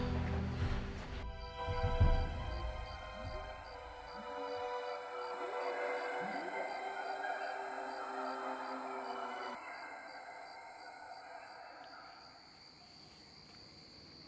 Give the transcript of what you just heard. saya lupakan ibu